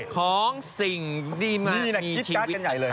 ของสิ่งนี้เก็บมามีชีวิต